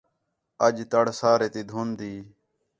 اَڄ تڑ سارے تی دُھند ہی